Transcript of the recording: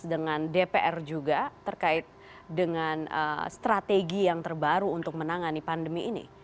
dengan dpr juga terkait dengan strategi yang terbaru untuk menangani pandemi ini